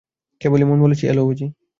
কেবলই মন বলেছে, এল বুঝি।